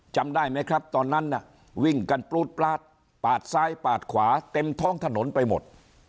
จำได้ไหมครับตอนนั้นน่ะวิ่งกันปลูดปลาดปาดซ้ายปาดขวาเต็มท้องถนนไปหมด